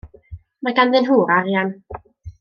Mae ganddyn nhw'r arian.